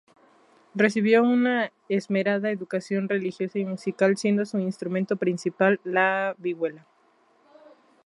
Recibió una esmerada educación religiosa y musical, siendo su instrumento principal la vihuela.